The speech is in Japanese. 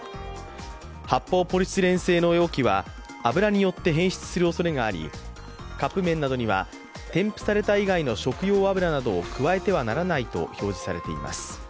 発泡ポリスチレン製の容器は油によって変質するおそれがありカップ麺などには添付された以外の食用油などを加えてはならないと表示されています。